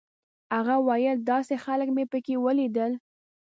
هغه ویل داسې خلک مې په کې ولیدل.